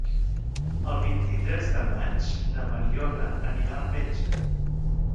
El vint-i-tres de maig na Mariona anirà al metge.